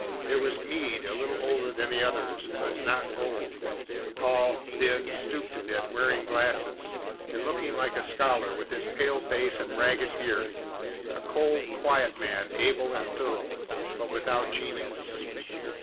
There was Meade, a little older than the others, but not old, tall, thin, stooped a bit, wearing glasses, and looking like a scholar, with his pale face and ragged beard, a cold, quiet man, able and thorough, but without genius.